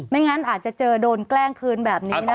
งั้นอาจจะเจอโดนแกล้งคืนแบบนี้นะ